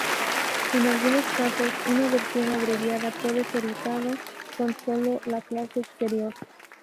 En algunos casos, una versión abreviada puede ser usada, con sólo la clase exterior.